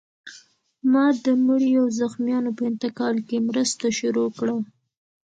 ما د مړیو او زخمیانو په انتقال کې مرسته شروع کړه